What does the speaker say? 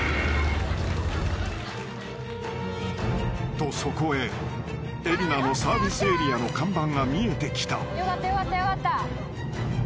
［とそこへ海老名のサービスエリアの看板が見えてきた］